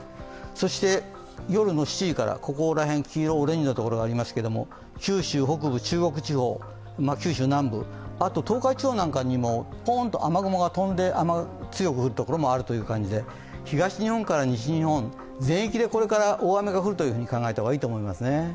そして夜７時から、黄色、オレンジのところがありますが、九州北部、中国地方、九州南部、あと東海地方などにもポンと雨雲が飛んで強く降るところある感じで、東日本から西日本全域でこれから大雨が降ると考えた方がいいと思いますね。